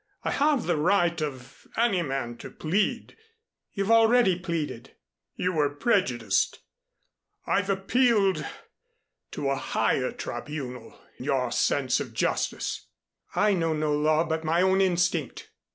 I have the right of any man to plead " "You've already pleaded." "You were prejudiced. I've appealed to a higher tribunal your sense of justice." "I know no law but my own instinct."